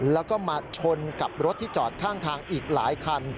แล้วก็มาชนกับรถที่จอดข้างทางอีกหลายคัน